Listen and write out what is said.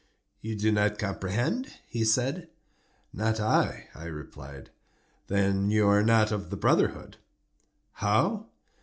"You do not comprehend?" he said. "Not I," I replied. "Then you are not of the brotherhood." "How?"